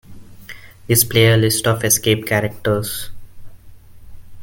Display a list of escape characters.